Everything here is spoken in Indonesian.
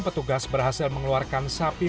petugas berhasil mengeluarkan sapi